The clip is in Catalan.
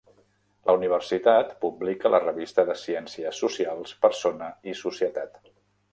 La universitat publica la revista de ciències socials "Persona i Societat".